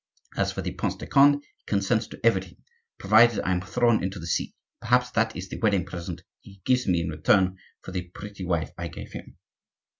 As for the Prince de Conde, he consents to everything, provided I am thrown into the sea; perhaps that is the wedding present he gives me in return for the pretty wife I gave him!